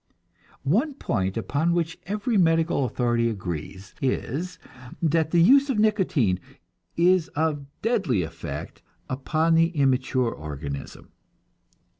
One point upon which every medical authority agrees is that the use of nicotine is of deadly effect upon the immature organism.